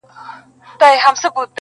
مار د بل په لاس مه وژنه!